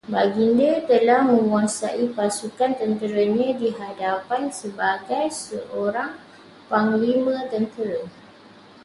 Baginda telah mengetuai pasukan tenteranya di hadapan, sebagai seorang panglima tentera